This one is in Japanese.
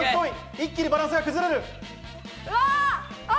一気にバランスが崩れる。